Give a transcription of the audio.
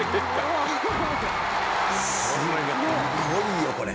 すっごいよこれ。